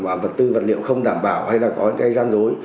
và vật tư vật liệu không đảm bảo hay là có những cái gian dối